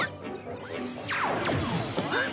あっ！